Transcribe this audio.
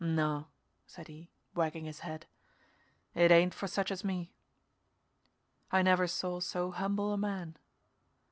"No," said he, wagging his head. "It ain't for such as me." I never saw so humble a man.